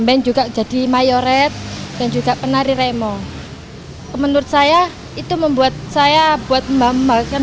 band juga jadi mayoret dan juga penari remo menurut saya itu membuat saya buat membahagiakan